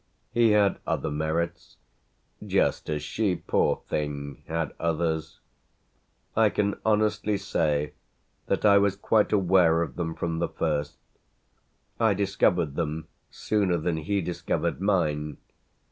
He had other merits, just as she, poor thing! had others. I can honestly say that I was quite aware of them from the first I discovered them sooner than he discovered mine.